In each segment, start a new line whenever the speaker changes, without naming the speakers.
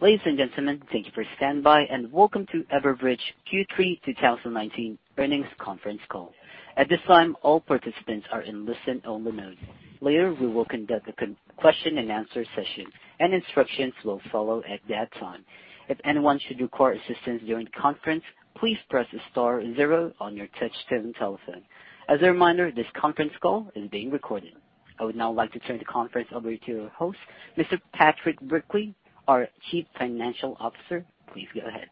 Ladies and gentlemen, thank you for standing by, and welcome to Everbridge Q3 2019 earnings conference call. At this time, all participants are in listen-only mode. Later, we will conduct a question and answer session, and instructions will follow at that time. If anyone should require assistance during the conference, please press star zero on your touch-tone telephone. As a reminder, this conference call is being recorded. I would now like to turn the conference over to your host, Mr. Patrick Brickley, our Chief Financial Officer. Please go ahead.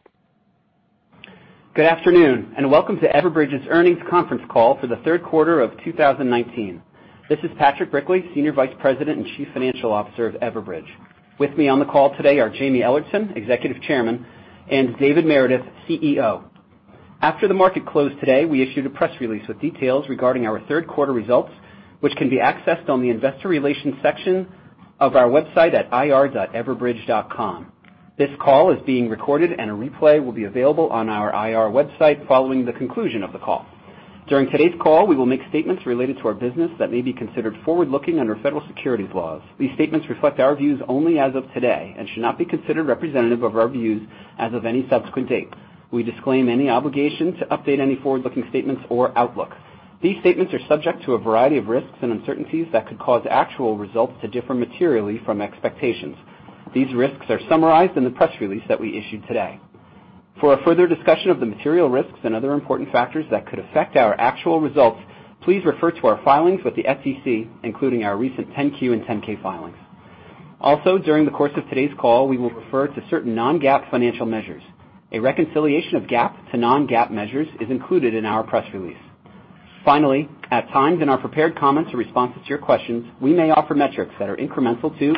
Good afternoon, and welcome to Everbridge's earnings conference call for the third quarter of 2019. This is Patrick Brickley, Senior Vice President and Chief Financial Officer of Everbridge. With me on the call today are Jaime Ellertson, Executive Chairman, and David Meredith, CEO. After the market closed today, we issued a press release with details regarding our third quarter results, which can be accessed on the investor relations section of our website at ir.everbridge.com. This call is being recorded, and a replay will be available on our IR website following the conclusion of the call. During today's call, we will make statements related to our business that may be considered forward-looking under federal securities laws. These statements reflect our views only as of today and should not be considered representative of our views as of any subsequent date. We disclaim any obligation to update any forward-looking statements or outlook. These statements are subject to a variety of risks and uncertainties that could cause actual results to differ materially from expectations. These risks are summarized in the press release that we issued today. For a further discussion of the material risks and other important factors that could affect our actual results, please refer to our filings with the SEC, including our recent 10-Q and 10-K filings. Also, during the course of today's call, we will refer to certain non-GAAP financial measures. A reconciliation of GAAP to non-GAAP measures is included in our press release. Finally, at times in our prepared comments or responses to your questions, we may offer metrics that are incremental to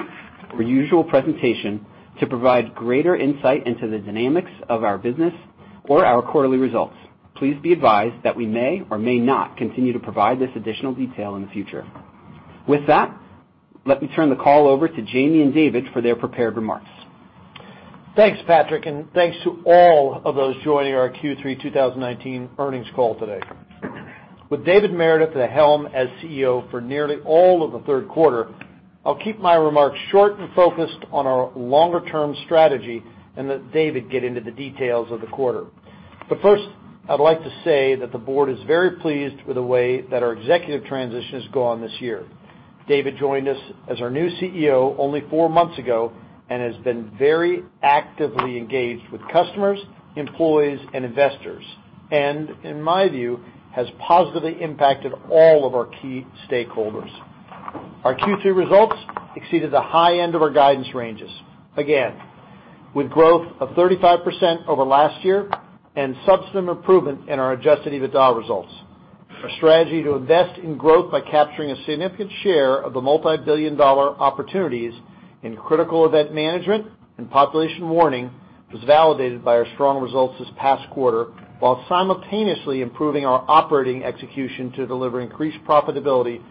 our usual presentation to provide greater insight into the dynamics of our business or our quarterly results. Please be advised that we may or may not continue to provide this additional detail in the future. Let me turn the call over to Jaime and David for their prepared remarks.
Thanks, Patrick, and thanks to all of those joining our Q3 2019 earnings call today. With David Meredith at the helm as CEO for nearly all of the third quarter, I'll keep my remarks short and focused on our longer-term strategy and let David get into the details of the quarter. First, I'd like to say that the board is very pleased with the way that our executive transition has gone this year. David joined us as our new CEO only four months ago and has been very actively engaged with customers, employees, and investors, and in my view, has positively impacted all of our key stakeholders. Our Q2 results exceeded the high end of our guidance ranges, again with growth of 35% over last year and substantive improvement in our adjusted EBITDA results. Our strategy to invest in growth by capturing a significant share of the multibillion-dollar opportunities in Critical Event Management and Public Warning was validated by our strong results this past quarter, while simultaneously improving our operating execution to deliver increased profitability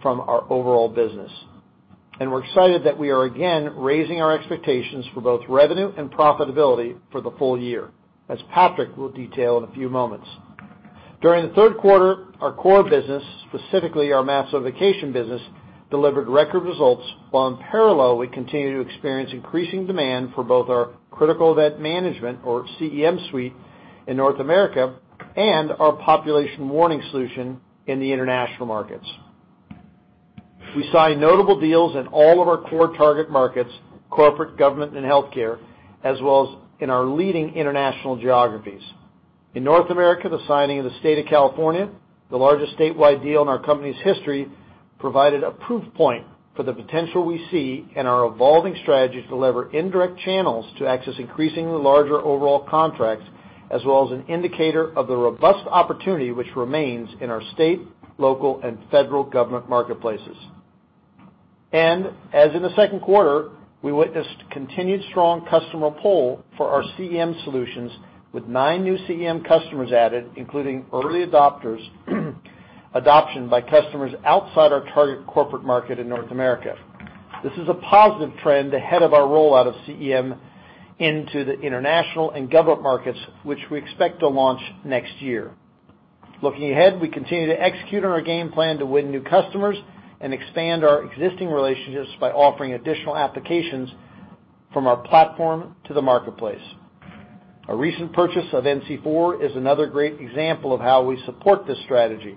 from our overall business. We're excited that we are again raising our expectations for both revenue and profitability for the full year, as Patrick will detail in a few moments. During the third quarter, our core business, specifically our Mass Notification business, delivered record results, while in parallel, we continue to experience increasing demand for both our Critical Event Management, or CEM suite in North America and our Public Warning solution in the international markets. We signed notable deals in all of our core target markets, corporate, government, and healthcare, as well as in our leading international geographies. In North America, the signing of the State of California, the largest statewide deal in our company's history, provided a proof point for the potential we see in our evolving strategy to deliver indirect channels to access increasingly larger overall contracts, as well as an indicator of the robust opportunity which remains in our state, local, and federal government marketplaces. As in the second quarter, we witnessed continued strong customer pull for our CEM solutions with nine new CEM customers added, including early adopters, adoption by customers outside our target corporate market in North America. This is a positive trend ahead of our rollout of CEM into the international and government markets, which we expect to launch next year. Looking ahead, we continue to execute on our game plan to win new customers and expand our existing relationships by offering additional applications from our platform to the marketplace. Our recent purchase of NC4 is another great example of how we support this strategy.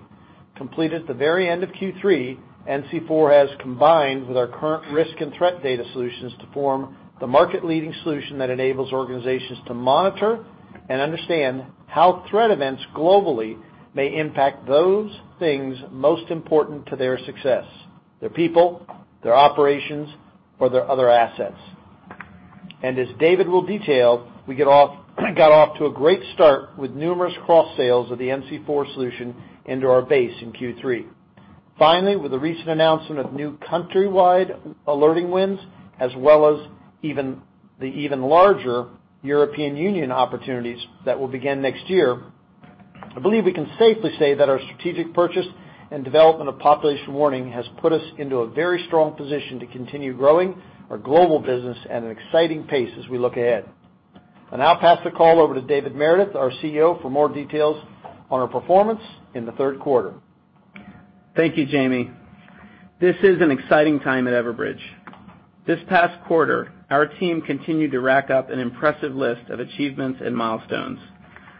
Completed at the very end of Q3, NC4 has combined with our current risk and threat data solutions to form the market-leading solution that enables organizations to monitor and understand how threat events globally may impact those things most important to their success, their people, their operations, or their other assets. As David will detail, we got off to a great start with numerous cross-sales of the NC4 solution into our base in Q3. Finally, with the recent announcement of new countrywide alerting wins, as well as the even larger European Union opportunities that will begin next year, I believe we can safely say that our strategic purchase and development of Population Alerting has put us into a very strong position to continue growing our global business at an exciting pace as we look ahead. I'll now pass the call over to David Meredith, our CEO, for more details on our performance in the third quarter.
Thank you, Jaime. This is an exciting time at Everbridge. This past quarter, our team continued to rack up an impressive list of achievements and milestones,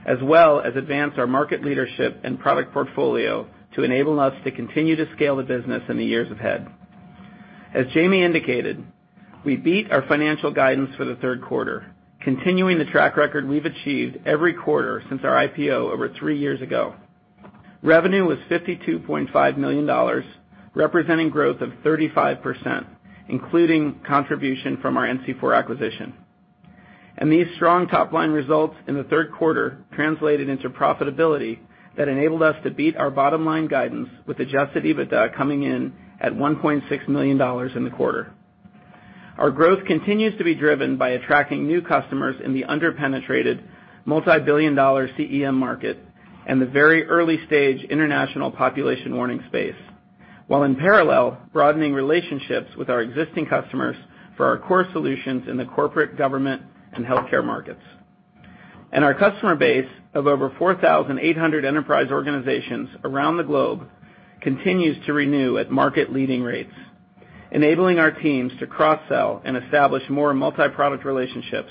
as well as advance our market leadership and product portfolio to enable us to continue to scale the business in the years ahead. As Jaime indicated, we beat our financial guidance for the third quarter, continuing the track record we've achieved every quarter since our IPO over three years ago. Revenue was $52.5 million, representing growth of 35%, including contribution from our NC4 acquisition. These strong top-line results in the third quarter translated into profitability that enabled us to beat our bottom-line guidance with adjusted EBITDA coming in at $1.6 million in the quarter. Our growth continues to be driven by attracting new customers in the under-penetrated, multibillion-dollar CEM market and the very early-stage international population warning space, while in parallel, broadening relationships with our existing customers for our core solutions in the corporate, government, and healthcare markets. Our customer base of over 4,800 enterprise organizations around the globe continues to renew at market leading rates, enabling our teams to cross-sell and establish more multi-product relationships,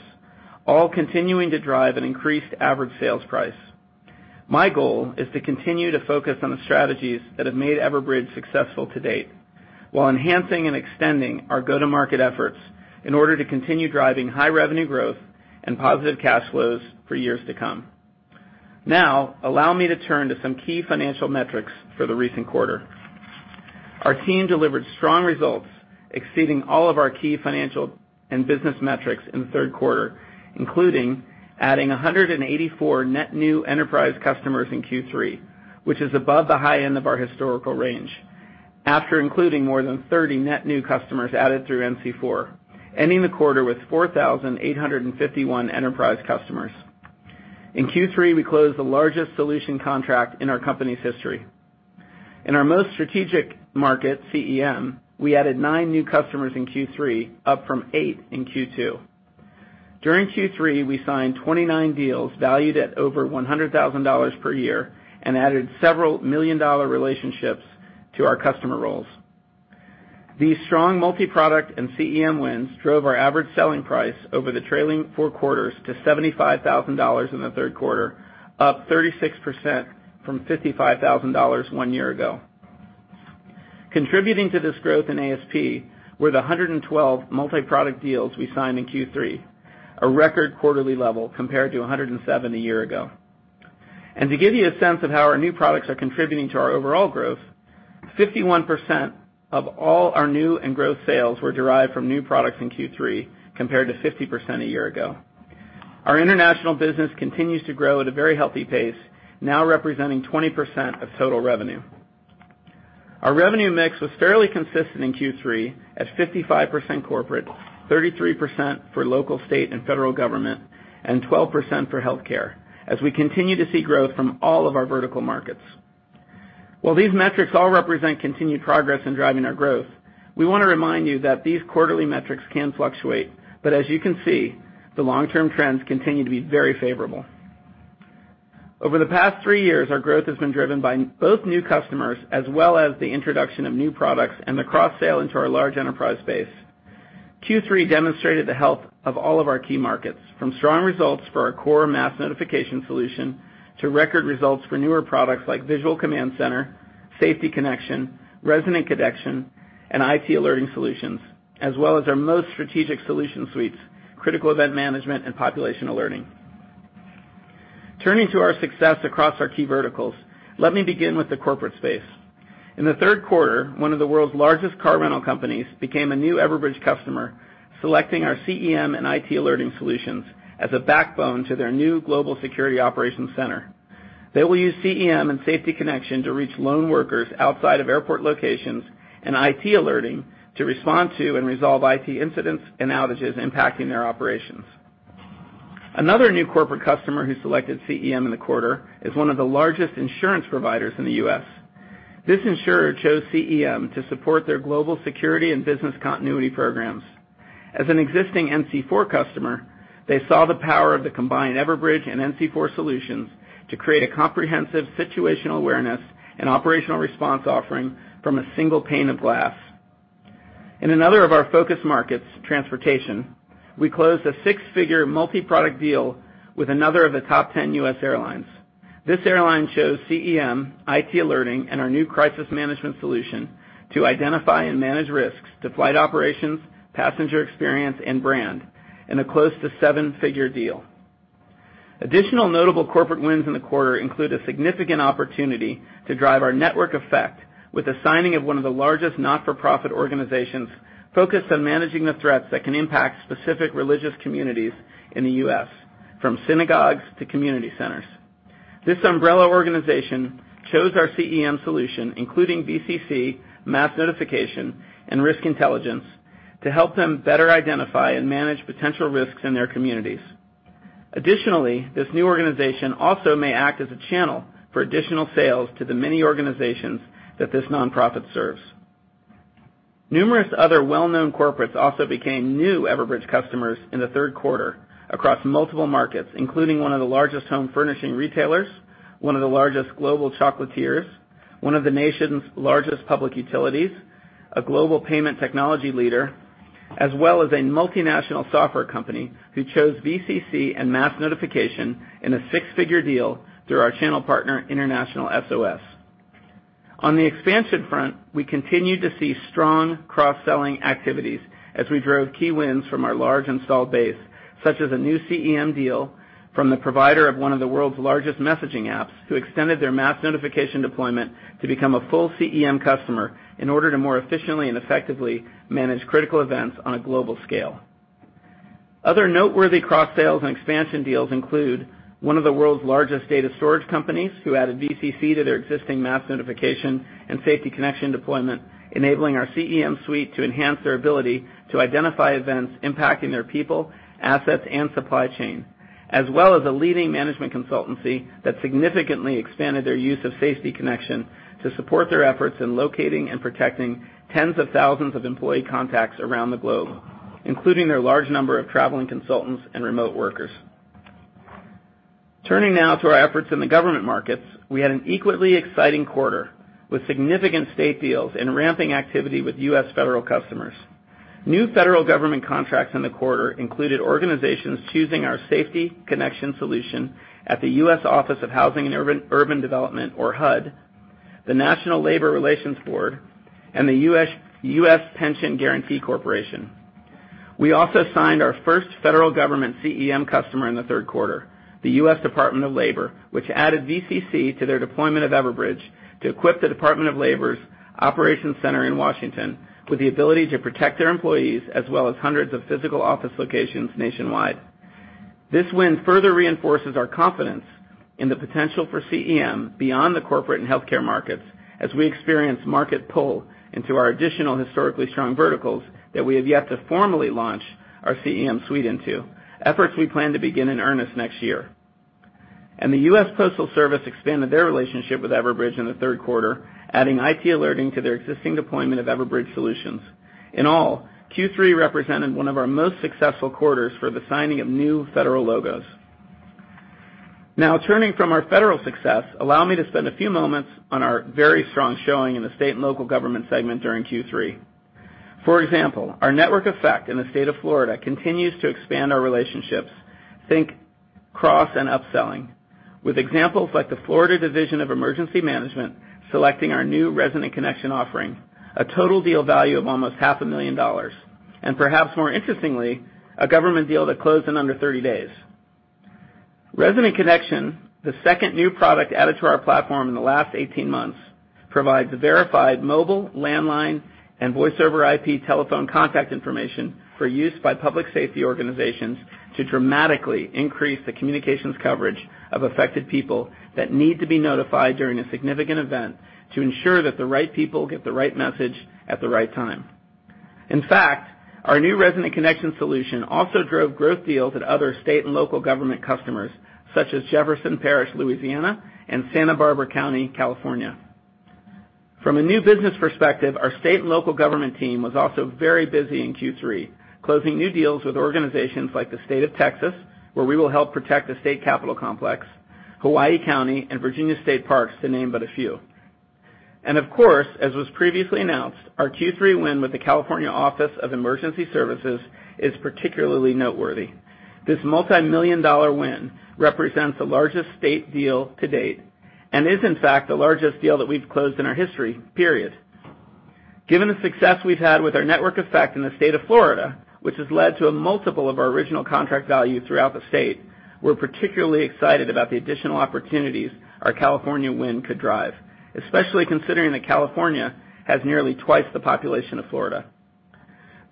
all continuing to drive an increased average sales price. My goal is to continue to focus on the strategies that have made Everbridge successful to date, while enhancing and extending our go-to-market efforts in order to continue driving high revenue growth and positive cash flows for years to come. Allow me to turn to some key financial metrics for the recent quarter. Our team delivered strong results, exceeding all of our key financial and business metrics in the third quarter, including adding 184 net new enterprise customers in Q3, which is above the high end of our historical range. After including more than 30 net new customers added through NC4, ending the quarter with 4,851 enterprise customers. In Q3, we closed the largest solution contract in our company's history. In our most strategic market, CEM, we added nine new customers in Q3, up from eight in Q2. During Q3, we signed 29 deals valued at over $100,000 per year and added several million-dollar relationships to our customer rolls. These strong multi-product and CEM wins drove our average selling price over the trailing four quarters to $75,000 in the third quarter, up 36% from $55,000 one year ago. Contributing to this growth in ASP were the 112 multi-product deals we signed in Q3, a record quarterly level compared to 107 a year ago. To give you a sense of how our new products are contributing to our overall growth, 51% of all our new and growth sales were derived from new products in Q3, compared to 50% a year ago. Our international business continues to grow at a very healthy pace, now representing 20% of total revenue. Our revenue mix was fairly consistent in Q3 at 55% corporate, 33% for local, state, and federal government, and 12% for healthcare, as we continue to see growth from all of our vertical markets. While these metrics all represent continued progress in driving our growth, we want to remind you that these quarterly metrics can fluctuate, but as you can see, the long-term trends continue to be very favorable. Over the past three years, our growth has been driven by both new customers, as well as the introduction of new products and the cross-sale into our large enterprise base. Q3 demonstrated the health of all of our key markets, from strong results for our core Mass Notification solution to record results for newer products like Visual Command Center, Safety Connection, Resident Connection, and IT Alerting Solutions, as well as our most strategic solution suites, Critical Event Management and Population Alerting. Turning to our success across our key verticals, let me begin with the corporate space. In the third quarter, one of the world's largest car rental companies became a new Everbridge customer, selecting our CEM and IT Alerting solutions as a backbone to their new global security operations center. They will use CEM and Safety Connection to reach lone workers outside of airport locations and IT Alerting to respond to and resolve IT incidents and outages impacting their operations. Another new corporate customer who selected CEM in the quarter is one of the largest insurance providers in the U.S. This insurer chose CEM to support their global security and business continuity programs. As an existing NC4 customer, they saw the power of the combined Everbridge and NC4 solutions to create a comprehensive situational awareness and operational response offering from a single pane of glass. In another of our focus markets, transportation, we closed a six-figure multi-product deal with another of the top 10 U.S. airlines. This airline chose CEM, IT Alerting, and our new Crisis Management solution to identify and manage risks to flight operations, passenger experience, and brand in a close to seven-figure deal. Additional notable corporate wins in the quarter include a significant opportunity to drive our network effect with the signing of one of the largest not-for-profit organizations focused on managing the threats that can impact specific religious communities in the U.S., from synagogues to community centers. This umbrella organization chose our CEM solution, including BCC, Mass Notification, and Risk Intelligence, to help them better identify and manage potential risks in their communities. Additionally, this new organization also may act as a channel for additional sales to the many organizations that this nonprofit serves. Numerous other well-known corporates also became new Everbridge customers in the third quarter across multiple markets, including one of the largest home furnishing retailers, one of the largest global chocolatiers, one of the nation's largest public utilities, a global payment technology leader, as well as a multinational software company who chose VCC and Mass Notification in a six-figure deal through our channel partner, International SOS. On the expansion front, we continued to see strong cross-selling activities as we drove key wins from our large installed base, such as a new CEM deal from the provider of one of the world's largest messaging apps, who extended their Mass Notification deployment to become a full CEM customer in order to more efficiently and effectively manage critical events on a global scale. Other noteworthy cross-sales and expansion deals include one of the world's largest data storage companies, who added VCC to their existing Mass Notification and Safety Connection deployment, enabling our CEM suite to enhance their ability to identify events impacting their people, assets, and supply chain, as well as a leading management consultancy that significantly expanded their use of Safety Connection to support their efforts in locating and protecting tens of thousands of employee contacts around the globe, including their large number of traveling consultants and remote workers. Turning now to our efforts in the government markets. We had an equally exciting quarter, with significant state deals and ramping activity with U.S. federal customers. New federal government contracts in the quarter included organizations choosing our Safety Connection solution at the U.S. Office of Housing and Urban Development, or HUD, the National Labor Relations Board, and the U.S. Pension Benefit Guaranty Corporation. We also signed our first federal government CEM customer in the third quarter, the U.S. Department of Labor, which added VCC to their deployment of Everbridge to equip the Department of Labor's operation center in Washington with the ability to protect their employees, as well as hundreds of physical office locations nationwide. This win further reinforces our confidence in the potential for CEM beyond the corporate and healthcare markets as we experience market pull into our additional historically strong verticals that we have yet to formally launch our CEM suite into, efforts we plan to begin in earnest next year. The U.S. Postal Service expanded their relationship with Everbridge in the third quarter, adding IT Alerting to their existing deployment of Everbridge solutions. In all, Q3 represented one of our most successful quarters for the signing of new federal logos. Turning from our federal success, allow me to spend a few moments on our very strong showing in the state and local government segment during Q3. For example, our network effect in the state of Florida continues to expand our relationships. Think cross and upselling with examples like the Florida Division of Emergency Management selecting our new Resident Connection offering, a total deal value of almost half a million dollars, and perhaps more interestingly, a government deal that closed in under 30 days. Resident Connection, the second new product added to our platform in the last 18 months, provides verified mobile, landline, and Voice over IP telephone contact information for use by public safety organizations to dramatically increase the communications coverage of affected people that need to be notified during a significant event to ensure that the right people get the right message at the right time. In fact, our new Resident Connection solution also drove growth deals at other state and local government customers such as Jefferson Parish, Louisiana, and Santa Barbara County, California. From a new business perspective, our state and local government team was also very busy in Q3, closing new deals with organizations like the State of Texas, where we will help protect the state capital complex, Hawaii County, and Virginia State Parks to name but a few. Of course, as was previously announced, our Q3 win with the California Office of Emergency Services is particularly noteworthy. This multimillion-dollar win represents the largest state deal to date and is, in fact, the largest deal that we've closed in our history, period. Given the success we've had with our network effect in the State of Florida, which has led to a multiple of our original contract value throughout the state, we're particularly excited about the additional opportunities our California win could drive, especially considering that California has nearly twice the population of Florida.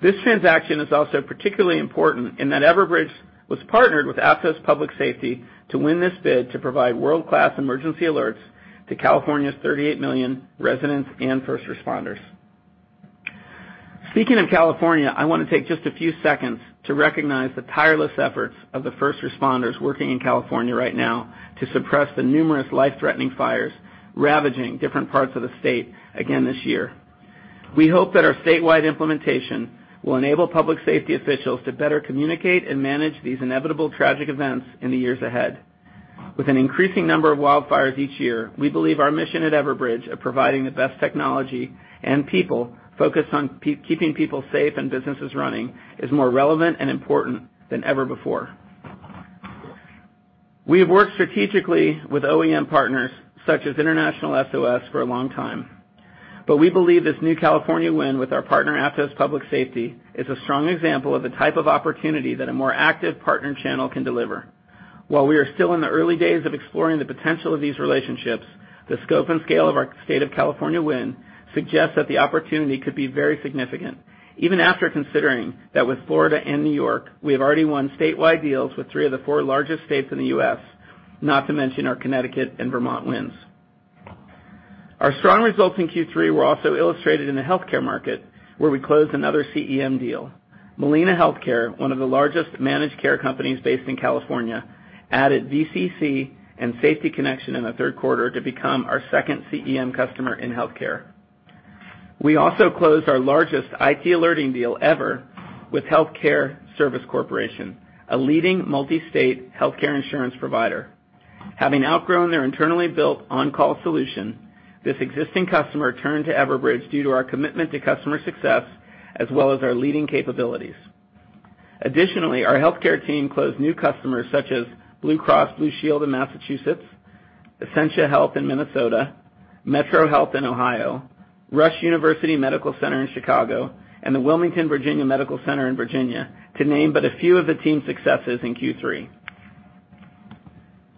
This transaction is also particularly important in that Everbridge was partnered with Atos Public Safety to win this bid to provide world-class emergency alerts to California's 38 million residents and first responders. Speaking of California, I want to take just a few seconds to recognize the tireless efforts of the first responders working in California right now to suppress the numerous life-threatening fires ravaging different parts of the state again this year. We hope that our statewide implementation will enable public safety officials to better communicate and manage these inevitable tragic events in the years ahead. With an increasing number of wildfires each year, we believe our mission at Everbridge of providing the best technology and people focused on keeping people safe and businesses running is more relevant and important than ever before. We have worked strategically with OEM partners such as International SOS for a long time. We believe this new California win with our partner, Atos Public Safety, is a strong example of the type of opportunity that a more active partner channel can deliver. While we are still in the early days of exploring the potential of these relationships, the scope and scale of our State of California win suggests that the opportunity could be very significant, even after considering that with Florida and New York, we have already won statewide deals with three of the four largest states in the U.S., not to mention our Connecticut and Vermont wins. Our strong results in Q3 were also illustrated in the healthcare market, where we closed another CEM deal. Molina Healthcare, one of the largest managed care companies based in California, added VCC and Safety Connection in the third quarter to become our second CEM customer in healthcare. We also closed our largest IT Alerting deal ever with Health Care Service Corporation, a leading multi-state healthcare insurance provider. Having outgrown their internally built on-call solution, this existing customer turned to Everbridge due to our commitment to customer success, as well as our leading capabilities. Additionally, our healthcare team closed new customers such as Blue Cross Blue Shield of Massachusetts, Essentia Health in Minnesota, MetroHealth in Ohio, Rush University Medical Center in Chicago, and the Wilmington VA Medical Center in Virginia, to name but a few of the team's successes in Q3.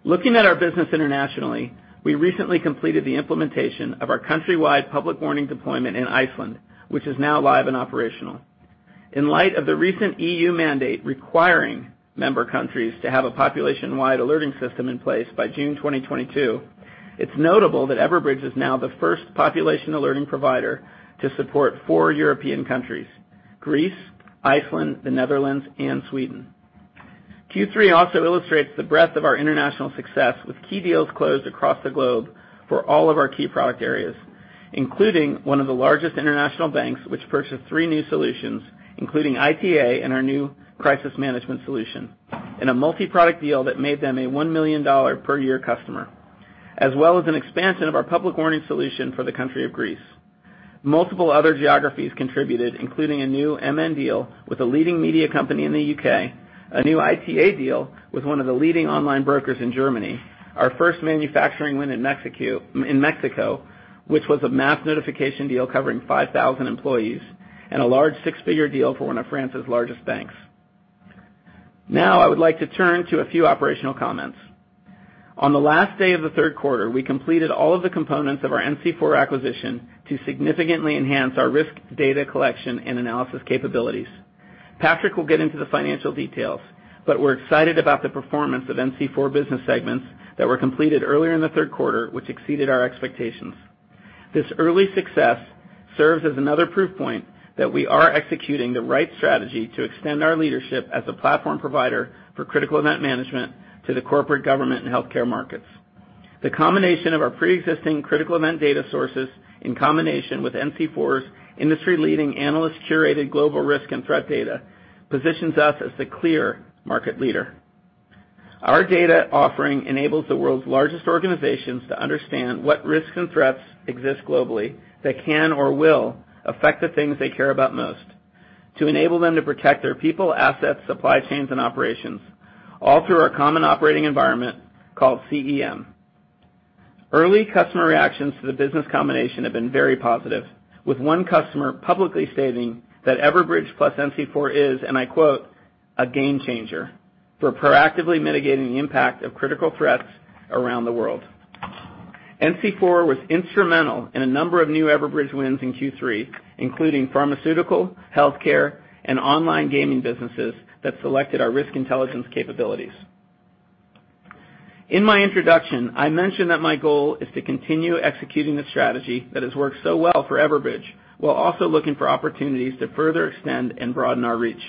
Looking at our business internationally, we recently completed the implementation of our countrywide Public Warning deployment in Iceland, which is now live and operational. In light of the recent EU mandate requiring member countries to have a population-wide alerting system in place by June 2022, it's notable that Everbridge is now the first population alerting provider to support four European countries, Greece, Iceland, the Netherlands, and Sweden. Q3 also illustrates the breadth of our international success with key deals closed across the globe for all of our key product areas, including one of the largest international banks, which purchased three new solutions, including ITA and our new Crisis Management solution, in a multi-product deal that made them a $1 million per year customer, as well as an expansion of our Public Warning solution for the country of Greece. Multiple other geographies contributed, including a new MN deal with a leading media company in the U.K., a new ITA deal with one of the leading online brokers in Germany, our first manufacturing win in Mexico, which was a Mass Notification deal covering 5,000 employees, and a large six-figure deal for one of France's largest banks. I would like to turn to a few operational comments. On the last day of the third quarter, we completed all of the components of our NC4 acquisition to significantly enhance our risk data collection and analysis capabilities. Patrick will get into the financial details, we're excited about the performance of NC4 business segments that were completed earlier in the third quarter, which exceeded our expectations. This early success serves as another proof point that we are executing the right strategy to extend our leadership as a platform provider for Critical Event Management to the corporate government and healthcare markets. The combination of our preexisting critical event data sources in combination with NC4's industry-leading analyst-curated global risk and threat data positions us as the clear market leader. Our data offering enables the world's largest organizations to understand what risks and threats exist globally that can or will affect the things they care about most, to enable them to protect their people, assets, supply chains, and operations, all through our common operating environment called CEM. Early customer reactions to the business combination have been very positive, with one customer publicly stating that Everbridge plus NC4 is, and I quote, "A game changer for proactively mitigating the impact of critical threats around the world." NC4 was instrumental in a number of new Everbridge wins in Q3, including pharmaceutical, healthcare, and online gaming businesses that selected our Risk Intelligence capabilities. In my introduction, I mentioned that my goal is to continue executing the strategy that has worked so well for Everbridge while also looking for opportunities to further extend and broaden our reach.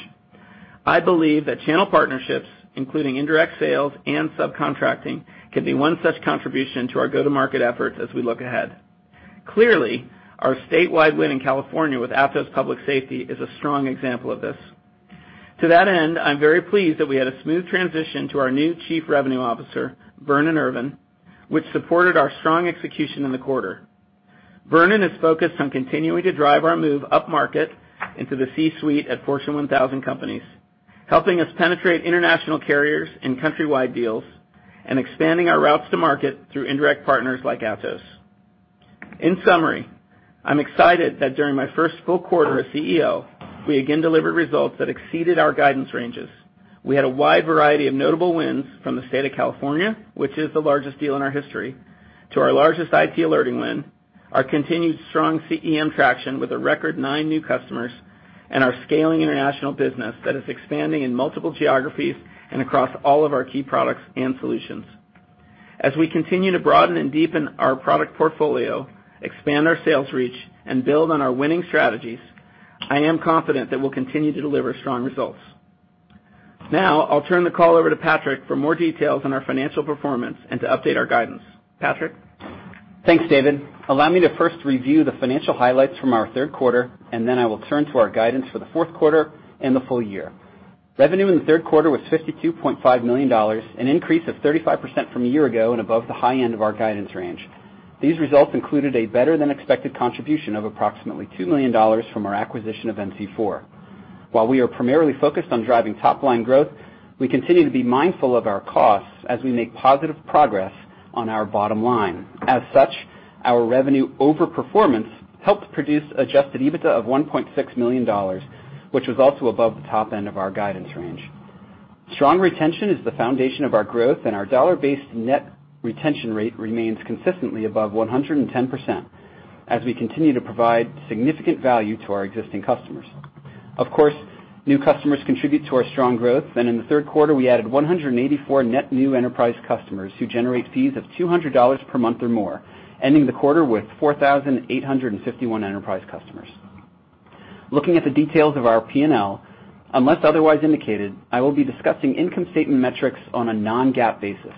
I believe that channel partnerships, including indirect sales and subcontracting, can be one such contribution to our go-to-market efforts as we look ahead. Clearly, our statewide win in California with Atos Public Safety is a strong example of this. To that end, I'm very pleased that we had a smooth transition to our new Chief Revenue Officer, Vernon Irvin, which supported our strong execution in the quarter. Vernon is focused on continuing to drive our move upmarket into the C-suite at Fortune 1000 companies, helping us penetrate international carriers and countrywide deals, and expanding our routes to market through indirect partners like Atos. In summary, I'm excited that during my first full quarter as CEO, we again delivered results that exceeded our guidance ranges. We had a wide variety of notable wins from the state of California, which is the largest deal in our history, to our largest IT Alerting win, our continued strong CEM traction with a record nine new customers, and our scaling international business that is expanding in multiple geographies and across all of our key products and solutions. As we continue to broaden and deepen our product portfolio, expand our sales reach, and build on our winning strategies, I am confident that we'll continue to deliver strong results. Now I'll turn the call over to Patrick for more details on our financial performance and to update our guidance. Patrick?
Thanks, David. Allow me to first review the financial highlights from our third quarter, then I will turn to our guidance for the fourth quarter and the full year. Revenue in the third quarter was $52.5 million, an increase of 35% from a year ago and above the high end of our guidance range. These results included a better-than-expected contribution of approximately $2 million from our acquisition of NC4. While we are primarily focused on driving top-line growth, we continue to be mindful of our costs as we make positive progress on our bottom line. As such, our revenue overperformance helped produce adjusted EBITDA of $1.6 million, which was also above the top end of our guidance range. Strong retention is the foundation of our growth, and our dollar-based net retention rate remains consistently above 110% as we continue to provide significant value to our existing customers. Of course, new customers contribute to our strong growth, and in the third quarter, we added 184 net new enterprise customers who generate fees of $200 per month or more, ending the quarter with 4,851 enterprise customers. Looking at the details of our P&L, unless otherwise indicated, I will be discussing income statement metrics on a non-GAAP basis.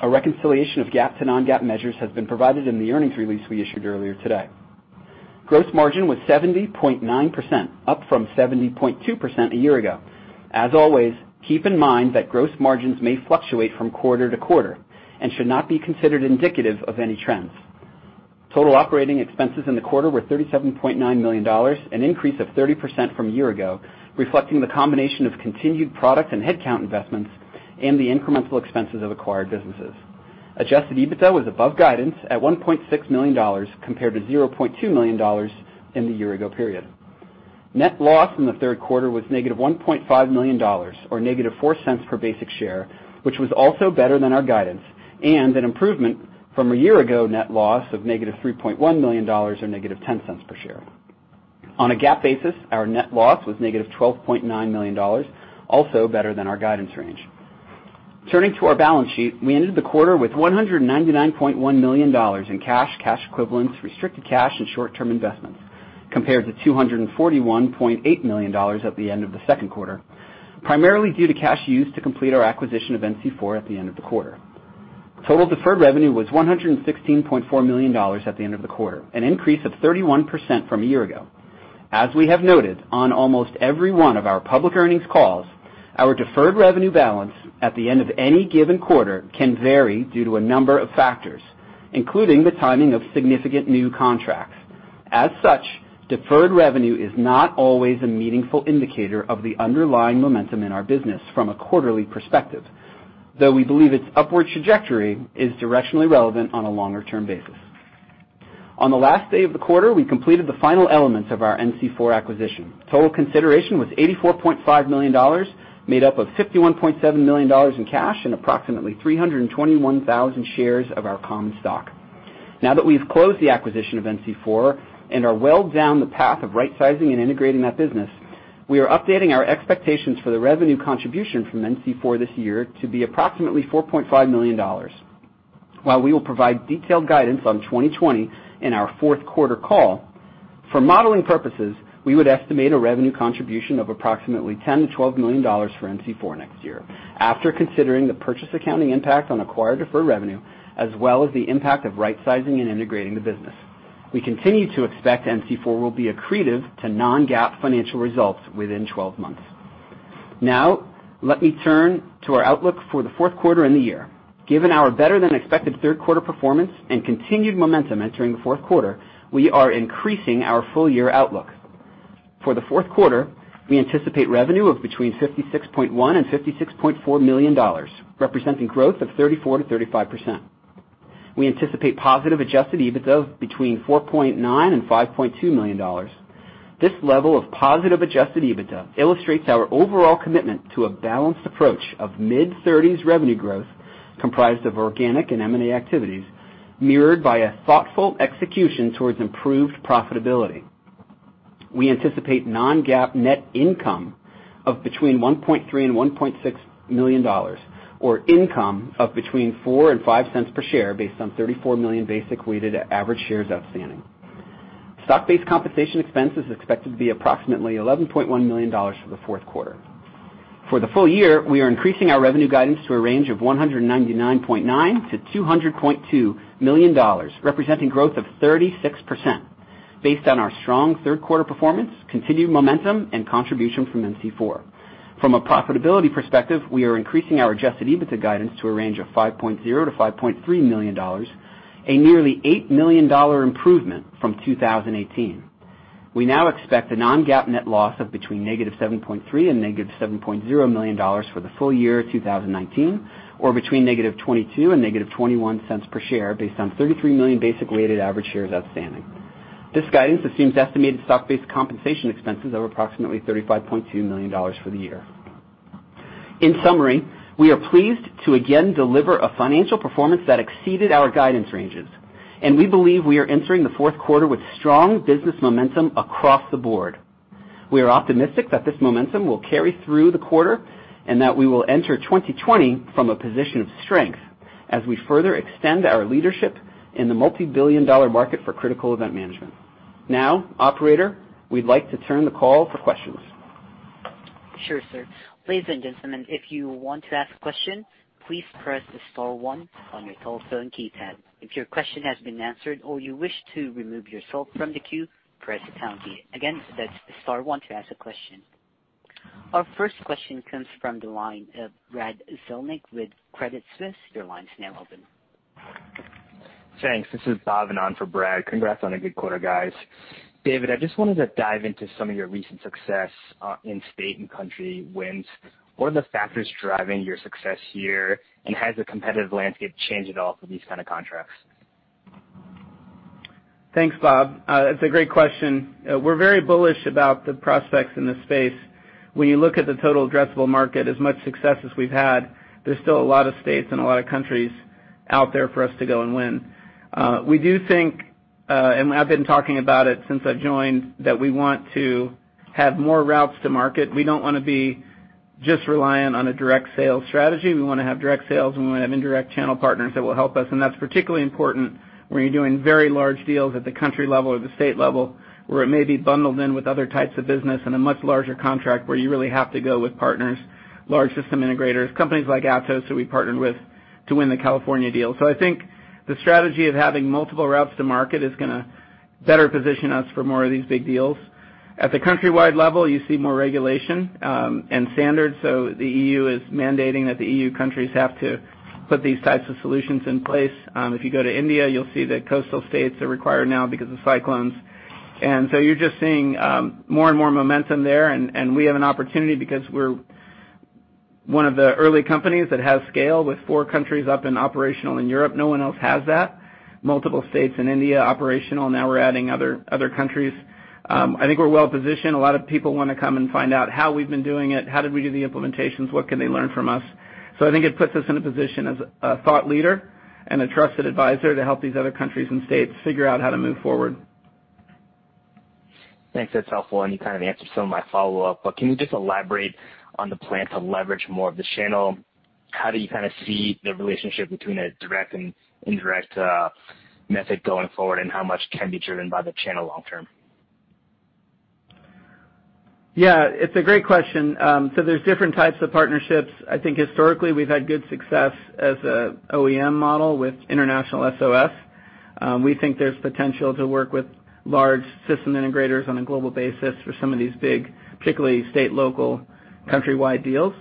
A reconciliation of GAAP to non-GAAP measures has been provided in the earnings release we issued earlier today. Gross margin was 70.9%, up from 70.2% a year ago. As always, keep in mind that gross margins may fluctuate from quarter to quarter and should not be considered indicative of any trends. Total operating expenses in the quarter were $37.9 million, an increase of 30% from a year ago, reflecting the combination of continued product and headcount investments and the incremental expenses of acquired businesses. Adjusted EBITDA was above guidance at $1.6 million, compared to $0.2 million in the year-ago period. Net loss in the third quarter was negative $1.5 million, or negative $0.04 per basic share, which was also better than our guidance and an improvement from a year-ago net loss of negative $3.1 million or negative $0.10 per share. On a GAAP basis, our net loss was negative $12.9 million, also better than our guidance range. Turning to our balance sheet, we ended the quarter with $199.1 million in cash equivalents, restricted cash and short-term investments, compared to $241.8 million at the end of the second quarter, primarily due to cash used to complete our acquisition of NC4 at the end of the quarter. Total deferred revenue was $116.4 million at the end of the quarter, an increase of 31% from a year ago. As we have noted on almost every one of our public earnings calls, our deferred revenue balance at the end of any given quarter can vary due to a number of factors, including the timing of significant new contracts. As such, deferred revenue is not always a meaningful indicator of the underlying momentum in our business from a quarterly perspective, though we believe its upward trajectory is directionally relevant on a longer-term basis. On the last day of the quarter, we completed the final elements of our NC4 acquisition. Total consideration was $84.5 million, made up of $51.7 million in cash and approximately 321,000 shares of our common stock. Now that we've closed the acquisition of NC4 and are well down the path of rightsizing and integrating that business, we are updating our expectations for the revenue contribution from NC4 this year to be approximately $4.5 million. While we will provide detailed guidance on 2020 in our fourth quarter call, for modeling purposes, we would estimate a revenue contribution of approximately $10 million to $12 million for NC4 next year after considering the purchase accounting impact on acquired deferred revenue, as well as the impact of rightsizing and integrating the business. We continue to expect NC4 will be accretive to non-GAAP financial results within 12 months. Let me turn to our outlook for the fourth quarter and the year. Given our better-than-expected third quarter performance and continued momentum entering the fourth quarter, we are increasing our full-year outlook. For the fourth quarter, we anticipate revenue of between $56.1 million and $56.4 million, representing growth of 34%-35%. We anticipate positive adjusted EBITDA of between $4.9 million and $5.2 million. This level of positive adjusted EBITDA illustrates our overall commitment to a balanced approach of mid-30s revenue growth comprised of organic and M&A activities, mirrored by a thoughtful execution towards improved profitability. We anticipate non-GAAP net income of between $1.3 million and $1.6 million, or income of between $0.04 and $0.05 per share based on 34 million basic weighted average shares outstanding. Stock-based compensation expense is expected to be approximately $11.1 million for the fourth quarter. For the full year, we are increasing our revenue guidance to a range of $199.9 million-$200.2 million, representing growth of 36%, based on our strong third quarter performance, continued momentum, and contribution from NC4. From a profitability perspective, we are increasing our adjusted EBITDA guidance to a range of $5.0 million-$5.3 million, a nearly $8 million improvement from 2018. We now expect a non-GAAP net loss of between negative $7.3 million and negative $7.0 million for the full year 2019, or between negative $0.22 and negative $0.21 per share based on 33 million basic weighted average shares outstanding. This guidance assumes estimated stock-based compensation expenses of approximately $35.2 million for the year. In summary, we are pleased to again deliver a financial performance that exceeded our guidance ranges, and we believe we are entering the fourth quarter with strong business momentum across the board. We are optimistic that this momentum will carry through the quarter and that we will enter 2020 from a position of strength as we further extend our leadership in the multibillion-dollar market for Critical Event Management. Now, operator, we'd like to turn the call for questions.
Sure, sir. Ladies and gentlemen, if you want to ask a question, please press star one on your telephone keypad. If your question has been answered or you wish to remove yourself from the queue, press the pound key. Again, that's star one to ask a question. Our first question comes from the line of Brad Zelnick with Credit Suisse. Your line's now open.
Thanks. This is Bhavin on for Brad. Congrats on a good quarter, guys. David, I just wanted to dive into some of your recent success in state and country wins. What are the factors driving your success here, and has the competitive landscape changed at all for these kind of contracts?
Thanks, Bhavin. It's a great question. We're very bullish about the prospects in this space. When you look at the total addressable market, as much success as we've had, there's still a lot of states and a lot of countries out there for us to go and win. We do think, and I've been talking about it since I've joined, that we want to have more routes to market. We don't want to be
Just reliant on a direct sales strategy. We want to have direct sales, and we want to have indirect channel partners that will help us. That's particularly important when you're doing very large deals at the country level or the state level, where it may be bundled in with other types of business in a much larger contract where you really have to go with partners, large system integrators, companies like Atos, who we partnered with to win the California deal. I think the strategy of having multiple routes to market is going to better position us for more of these big deals. At the countrywide level, you see more regulation, and standards, so the EU is mandating that the EU countries have to put these types of solutions in place. If you go to India, you'll see that coastal states are required now because of cyclones. You're just seeing more and more momentum there, and we have an opportunity because we're one of the early companies that has scale, with four countries up and operational in Europe. No one else has that. Multiple states in India operational. Now we're adding other countries. I think we're well-positioned. A lot of people want to come and find out how we've been doing it, how did we do the implementations, what can they learn from us. I think it puts us in a position as a thought leader and a trusted advisor to help these other countries and states figure out how to move forward.
Thanks. That's helpful, and you kind of answered some of my follow-up. Can you just elaborate on the plan to leverage more of the channel? How do you see the relationship between a direct and indirect method going forward, and how much can be driven by the channel long term?
Yeah. It's a great question. There's different types of partnerships. I think historically, we've had good success as an OEM model with International SOS. We think there's potential to work with large system integrators on a global basis for some of these big, particularly state, local, countrywide deals.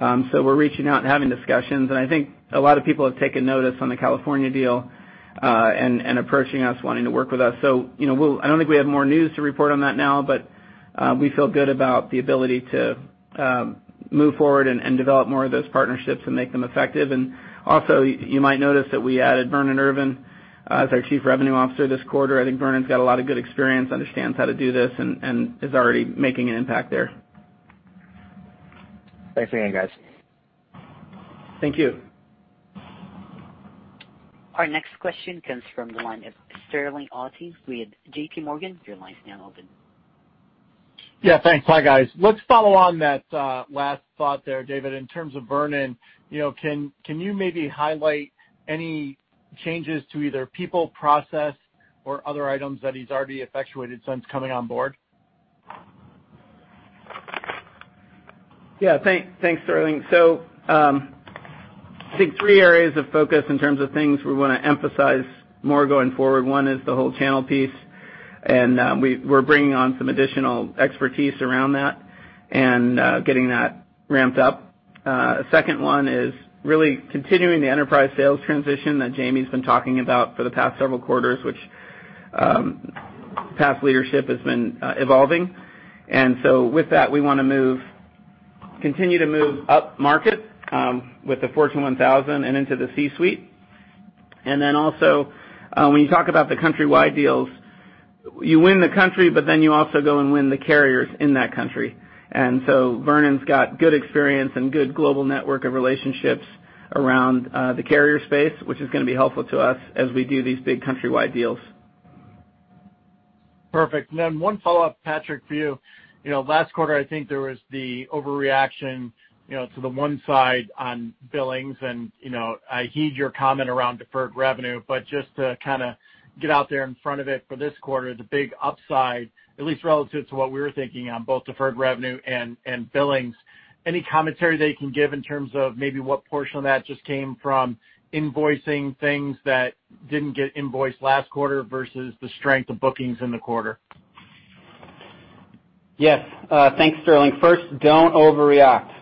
We're reaching out and having discussions. I think a lot of people have taken notice on the California deal, and approaching us, wanting to work with us. I don't think we have more news to report on that now, but we feel good about the ability to move forward and develop more of those partnerships and make them effective. Also, you might notice that we added Vernon Irvin as our Chief Revenue Officer this quarter. I think Vernon's got a lot of good experience, understands how to do this, and is already making an impact there.
Thanks again, guys.
Thank you.
Our next question comes from the line of Sterling Auty with J.P. Morgan. Your line is now open.
Yeah, thanks. Hi, guys. Let's follow on that last thought there, David. In terms of Vernon, can you maybe highlight any changes to either people, process, or other items that he's already effectuated since coming on board?
Yeah. Thanks, Sterling. I think three areas of focus in terms of things we want to emphasize more going forward. One is the whole channel piece, and we're bringing on some additional expertise around that and getting that ramped up. Second one is really continuing the enterprise sales transition that Jaime's been talking about for the past several quarters, which past leadership has been evolving. With that, we want to continue to move up market, with the Fortune 1000 and into the C-suite. Also, when you talk about the countrywide deals, you win the country, but then you also go and win the carriers in that country. Vernon's got good experience and good global network of relationships around the carrier space, which is going to be helpful to us as we do these big countrywide deals.
Perfect. One follow-up, Patrick, for you. Last quarter, I think there was the overreaction to the one side on billings, and I heed your comment around deferred revenue, but just to get out there in front of it for this quarter, the big upside, at least relative to what we were thinking on both deferred revenue and billings, any commentary that you can give in terms of maybe what portion of that just came from invoicing things that didn't get invoiced last quarter versus the strength of bookings in the quarter?
Yes. Thanks, Sterling. First, don't overreact.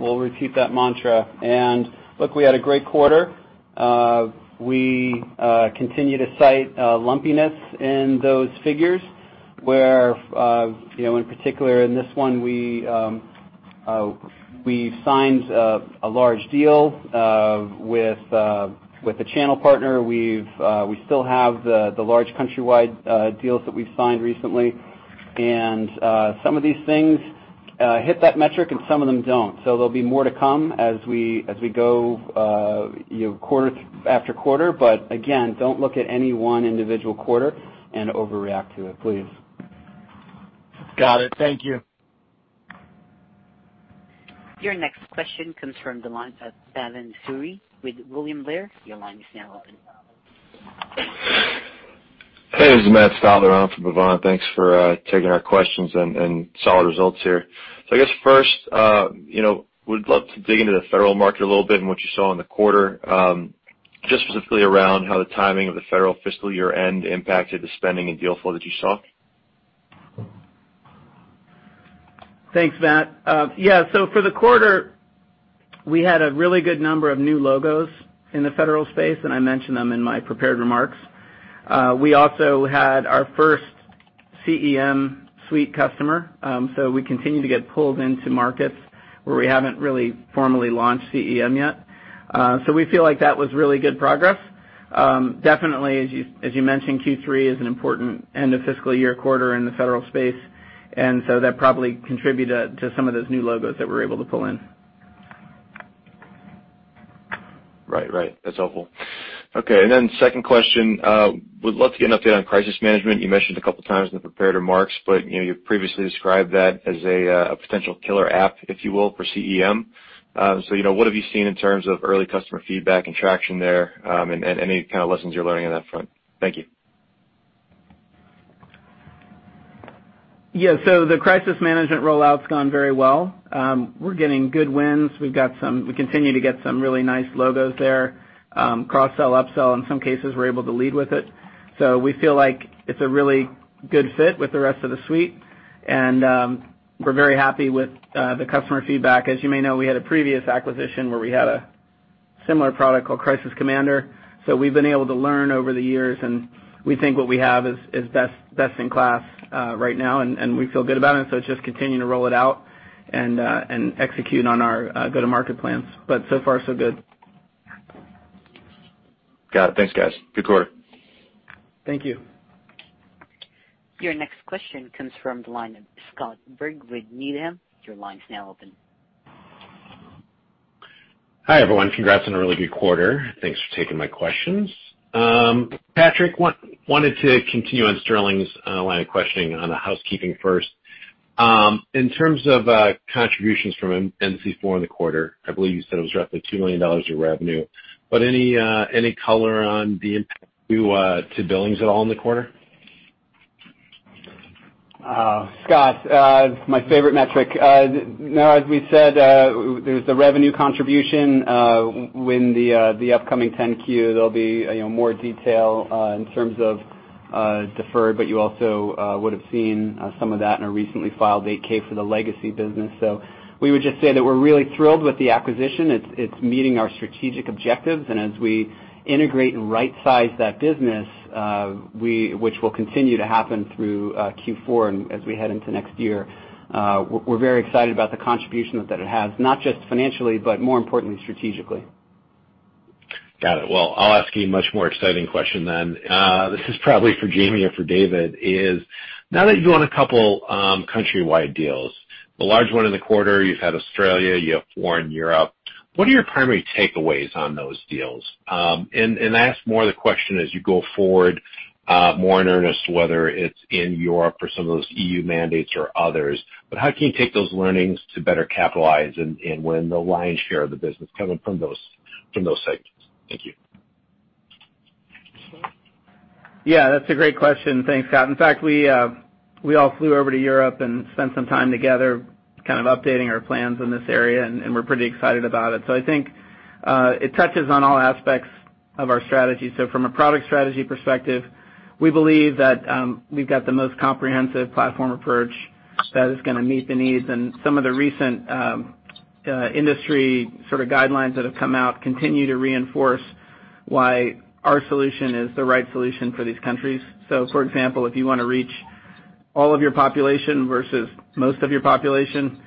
We'll repeat that mantra. Look, we had a great quarter. We continue to cite lumpiness in those figures where, in particular in this one, we signed a large deal with a channel partner. We still have the large countrywide deals that we've signed recently. Some of these things hit that metric, and some of them don't. There'll be more to come as we go quarter after quarter. Again, don't look at any one individual quarter and overreact to it, please.
Got it. Thank you.
Your next question comes from the line of Bhavan Suri with William Blair. Your line is now open.
Hey, this is Matt Stotler on for Bhavan Suri. Thanks for taking our questions, and solid results here. I guess first, we'd love to dig into the federal market a little bit and what you saw in the quarter, just specifically around how the timing of the federal fiscal year-end impacted the spending and deal flow that you saw.
Thanks, Matt. For the quarter, we had a really good number of new logos in the federal space, and I mentioned them in my prepared remarks. We also had our first CEM suite customer, so we continue to get pulled into markets where we haven't really formally launched CEM yet. We feel like that was really good progress. Definitely, as you mentioned, Q3 is an important end-of-fiscal-year quarter in the federal space, and so that probably contributed to some of those new logos that we're able to pull in.
Right. That's helpful. Second question, would love to get an update on Crisis Management. You mentioned a couple of times in the prepared remarks, you previously described that as a potential killer app, if you will, for CEM. What have you seen in terms of early customer feedback and traction there, and any kind of lessons you're learning on that front? Thank you.
Yeah, the Crisis Management rollout's gone very well. We're getting good wins. We continue to get some really nice logos there. Cross-sell, up-sell, in some cases, we're able to lead with it. We feel like it's a really good fit with the rest of the suite, and we're very happy with the customer feedback. As you may know, we had a previous acquisition where we had a similar product called Crisis Commander. We've been able to learn over the years, and we think what we have is best in class right now, and we feel good about it. It's just continuing to roll it out and execute on our go-to-market plans. So far, so good.
Got it. Thanks, guys. Good quarter.
Thank you.
Your next question comes from the line of Scott Berg with Needham. Your line's now open.
Hi, everyone. Congrats on a really good quarter. Thanks for taking my questions. Patrick, wanted to continue on Sterling's line of questioning on the housekeeping first. In terms of contributions from NC4 in the quarter, I believe you said it was roughly $2 million of revenue, but any color on the impact to billings at all in the quarter?
Scott, my favorite metric. No, as we said, there's the revenue contribution. When the upcoming 10-Q, there'll be more detail in terms of deferred, but you also would've seen some of that in a recently filed 8-K for the legacy business. We would just say that we're really thrilled with the acquisition. It's meeting our strategic objectives, and as we integrate and right-size that business, which will continue to happen through Q4 and as we head into next year, we're very excited about the contribution that it has, not just financially, but more importantly, strategically.
Got it. Well, I'll ask you a much more exciting question then. This is probably for Jaime or for David, is now that you own a couple countrywide deals, the large one in the quarter, you've had Australia, you have one in Europe, what are your primary takeaways on those deals? I ask more the question as you go forward, more in earnest, whether it's in Europe for some of those EU mandates or others, but how can you take those learnings to better capitalize and win the lion's share of the business coming from those segments? Thank you.
Yeah, that's a great question. Thanks, Scott. In fact, we all flew over to Europe and spent some time together kind of updating our plans in this area, and we're pretty excited about it. I think it touches on all aspects of our strategy. From a product strategy perspective, we believe that we've got the most comprehensive platform approach that is gonna meet the needs, and some of the recent industry sort of guidelines that have come out continue to reinforce why our solution is the right solution for these countries. For example, if you want to reach all of your population versus most of your population,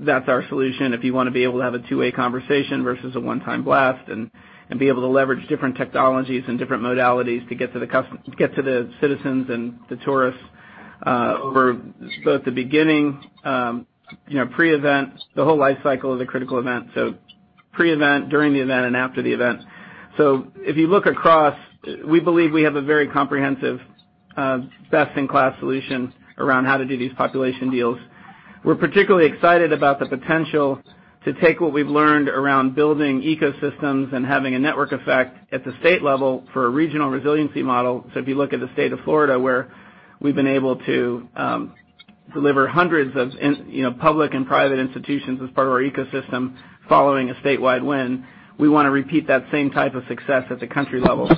that's our solution. If you want to be able to have a 2-way conversation versus a 1-time blast and be able to leverage different technologies and different modalities to get to the citizens and the tourists over both the beginning, pre-event, the whole life cycle of the critical event. So pre-event, during the event, and after the event. So if you look across, we believe we have a very comprehensive, best-in-class solution around how to do these population deals. We're particularly excited about the potential to take what we've learned around building ecosystems and having a network effect at the state level for a regional resiliency model. So if you look at the state of Florida, where we've been able to deliver hundreds of public and private institutions as part of our ecosystem following a statewide win, we want to repeat that same type of success at the country level.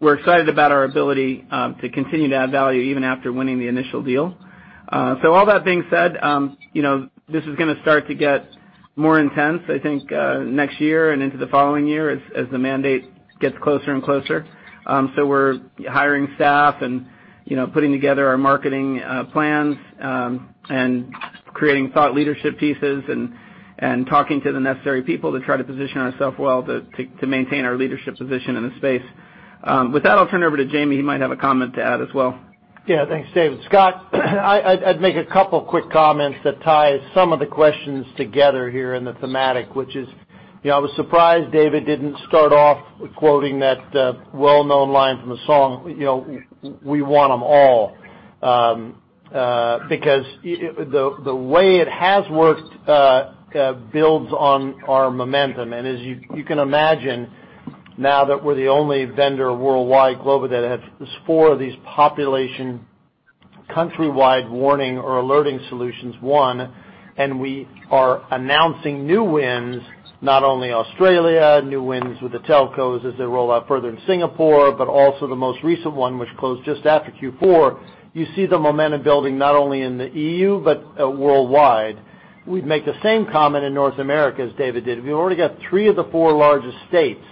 We're excited about our ability to continue to add value even after winning the initial deal. All that being said, this is gonna start to get more intense, I think, next year and into the following year as the mandate gets closer and closer. We're hiring staff and putting together our marketing plans, and creating thought leadership pieces and talking to the necessary people to try to position ourself well to maintain our leadership position in the space. With that, I'll turn it over to Jaime, he might have a comment to add as well.
Yeah. Thanks, David. Scott Berg, I'd make a couple quick comments that tie some of the questions together here in the thematic, which is, I was surprised David didn't start off quoting that well-known line from the song, "We want them all." The way it has worked builds on our momentum. As you can imagine, now that we're the only vendor worldwide, global, that has four of these population countrywide warning or alerting solutions, one, and we are announcing new wins, not only Australia, new wins with the telcos as they roll out further in Singapore, but also the most recent one, which closed just after Q4. You see the momentum building not only in the EU, but worldwide. We'd make the same comment in North America as David did. We've already got three of the four largest states.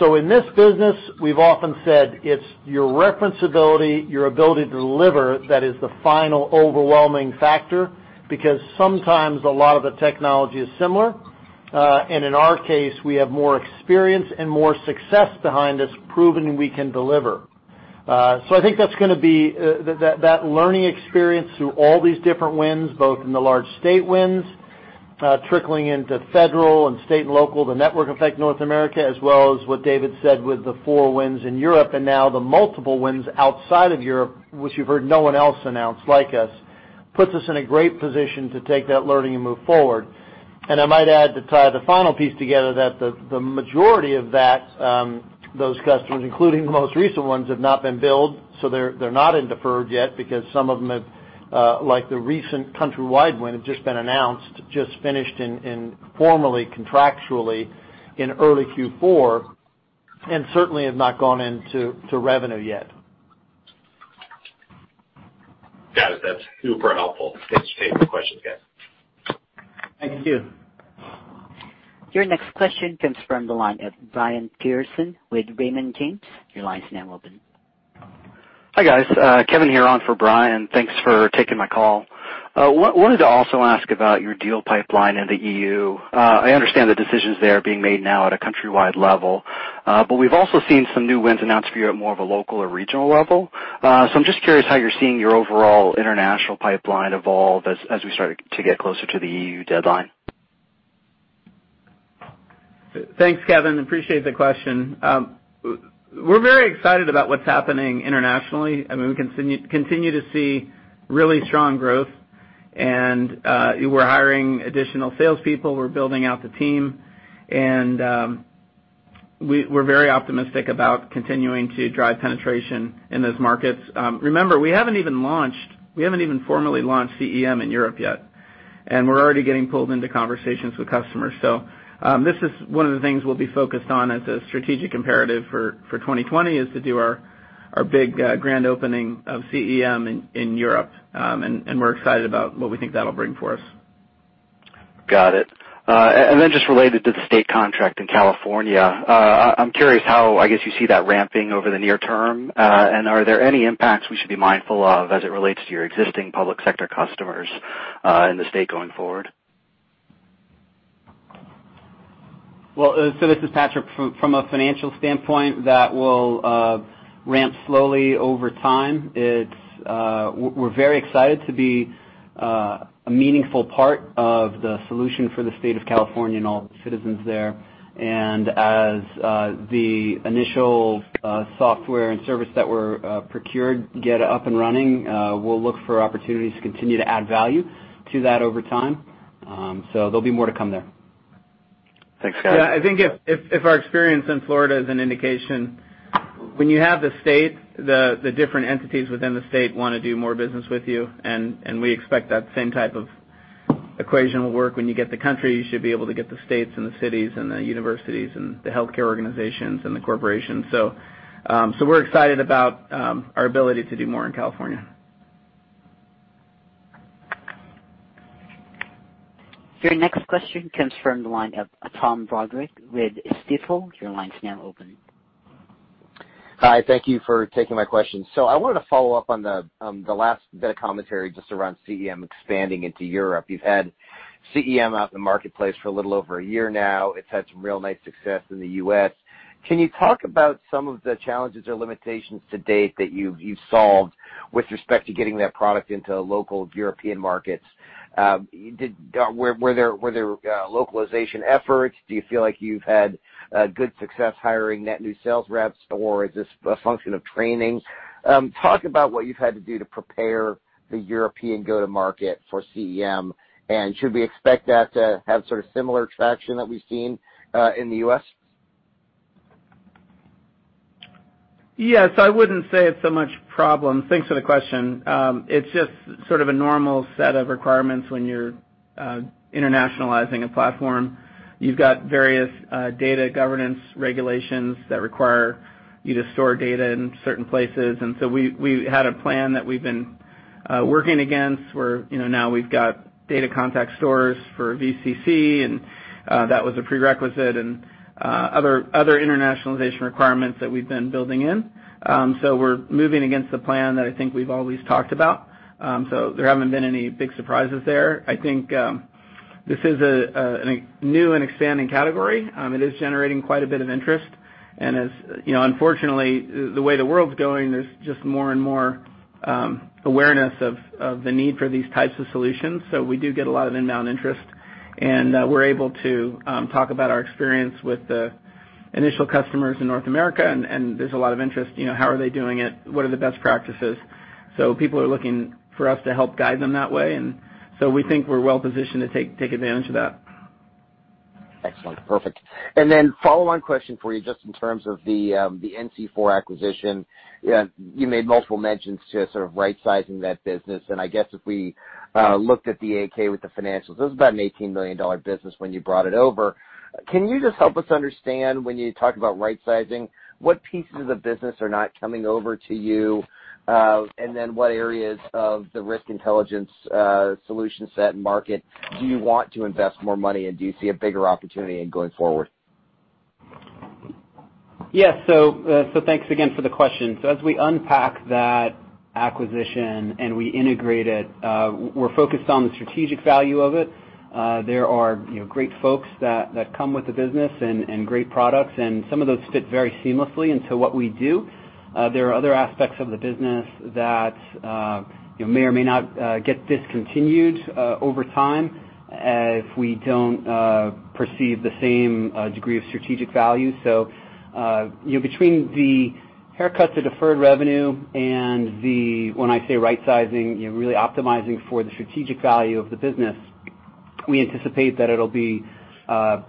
In this business, we've often said it's your reference ability, your ability to deliver that is the final overwhelming factor, because sometimes a lot of the technology is similar. In our case, we have more experience and more success behind us proving we can deliver. I think that's going to be that learning experience through all these different wins, both in the large state wins, trickling into federal and state and local, the network effect North America, as well as what David said with the four wins in Europe, and now the multiple wins outside of Europe, which you've heard no one else announce like us, puts us in a great position to take that learning and move forward. I might add to tie the final piece together, that the majority of those customers, including the most recent ones, have not been billed. They're not in deferred yet because some of them have, like the recent Countrywide win had just been announced, just finished formally, contractually in early Q4, and certainly have not gone into revenue yet.
Got it. That is super helpful. Thanks. Great questions, guys.
Thank you.
Your next question comes from the line of Brian Peterson with Raymond James. Your line is now open.
Hi, guys. Kevin here on for Brian. Thanks for taking my call. Wanted to also ask about your deal pipeline in the EU. I understand the decisions there are being made now at a Countrywide level. We've also seen some new wins announced for you at more of a local or regional level. I'm just curious how you're seeing your overall international pipeline evolve as we start to get closer to the EU deadline.
Thanks, Kevin. Appreciate the question. We're very excited about what's happening internationally. We continue to see really strong growth, and we're hiring additional salespeople. We're building out the team, and we're very optimistic about continuing to drive penetration in those markets. Remember, we haven't even formally launched CEM in Europe yet, and we're already getting pulled into conversations with customers. This is one of the things we'll be focused on as a strategic imperative for 2020, is to do our big grand opening of CEM in Europe. We're excited about what we think that'll bring for us.
Got it. Just related to the state contract in California, I'm curious how, I guess, you see that ramping over the near term. Are there any impacts we should be mindful of as it relates to your existing public sector customers in the state going forward?
Well, this is Patrick. From a financial standpoint, that will ramp slowly over time. We're very excited to be a meaningful part of the solution for the state of California and all the citizens there. As the initial software and service that were procured get up and running, we'll look for opportunities to continue to add value to that over time. There'll be more to come there.
Thanks, guys.
Yeah, I think if our experience in Florida is an indication, when you have the state, the different entities within the state want to do more business with you, and we expect that same type of equation will work. When you get the country, you should be able to get the states and the cities and the universities and the healthcare organizations and the corporations. We're excited about our ability to do more in California.
Your next question comes from the line of Tom Roderick with Stifel. Your line's now open.
Hi, thank you for taking my question. I wanted to follow up on the last bit of commentary just around CEM expanding into Europe. You've had CEM out in the marketplace for a little over a year now. It's had some real nice success in the U.S. Can you talk about some of the challenges or limitations to date that you've solved with respect to getting that product into local European markets? Were there localization efforts? Do you feel like you've had good success hiring net new sales reps, or is this a function of training? Talk about what you've had to do to prepare the European go-to-market for CEM, and should we expect that to have sort of similar traction that we've seen in the U.S.?
Yes, I wouldn't say it's so much problem. Thanks for the question. It's just sort of a normal set of requirements when you're internationalizing a platform. You've got various data governance regulations that require you to store data in certain places. We had a plan that we've been working against where now we've got data contact stores for VCC, and that was a prerequisite, and other internationalization requirements that we've been building in. We're moving against the plan that I think we've always talked about. There haven't been any big surprises there. I think this is a new and expanding category. It is generating quite a bit of interest, and unfortunately, the way the world's going, there's just more and more awareness of the need for these types of solutions. We do get a lot of inbound interest, and we're able to talk about our experience with the initial customers in North America, and there's a lot of interest. How are they doing it? What are the best practices? People are looking for us to help guide them that way. We think we're well-positioned to take advantage of that.
Excellent. Perfect. A follow-on question for you, just in terms of the NC4 acquisition. You made multiple mentions to sort of right-sizing that business, and I guess if we looked at the Form 10-K with the financials, it was about an $18 million business when you brought it over. Can you just help us understand, when you talk about right-sizing, what pieces of business are not coming over to you? What areas of the Risk Intelligence solution set and market do you want to invest more money in? Do you see a bigger opportunity in going forward?
Yes. Thanks again for the question. As we unpack that acquisition and we integrate it, we're focused on the strategic value of it. There are great folks that come with the business and great products, and some of those fit very seamlessly into what we do. There are other aspects of the business that may or may not get discontinued over time if we don't perceive the same degree of strategic value. Between the haircut to deferred revenue and the, when I say right-sizing, really optimizing for the strategic value of the business, we anticipate that it'll be a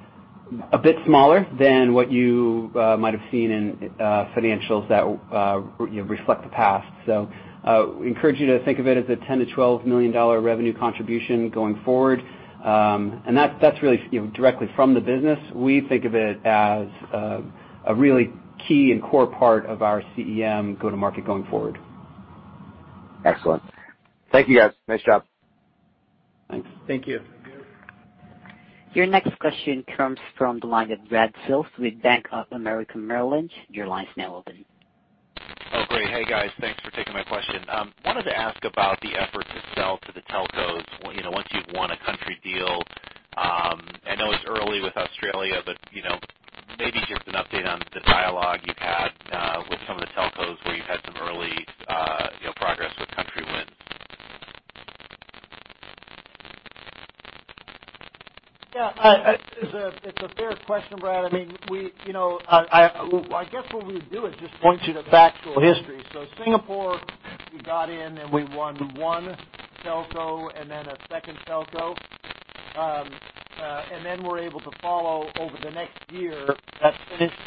bit smaller than what you might have seen in financials that reflect the past. We encourage you to think of it as a $10 million-$12 million revenue contribution going forward. That's really directly from the business. We think of it as a really key and core part of our CEM go-to-market going forward.
Excellent. Thank you, guys. Nice job.
Thanks.
Thank you. Thank you.
Your next question comes from the line of Brad Sills with Bank of America Merrill Lynch. Your line is now open.
Oh, great. Hey, guys. Thanks for taking my question. I wanted to ask about the effort to sell to the telcos once you've won a country deal. I know it's early with Australia, but maybe just an update on the dialogue you've had with some of the telcos where you've had some early progress with country wins.
It's a fair question, Brad. I guess what we do is just point you to factual history. Singapore, we got in and we won one telco and then a second telco. Then we're able to follow over the next year. That finished